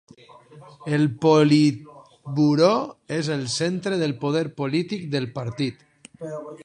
El Politburó és el centre del poder polític del Partit.